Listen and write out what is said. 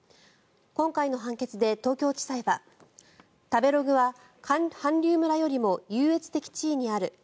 今回の判決で東京地裁は食べログは韓流村よりも優越的地位にある。